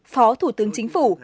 phó thủ tướng chính phủ